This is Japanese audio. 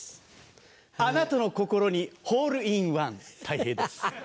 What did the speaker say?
あなたの心にホールインワンたい平です。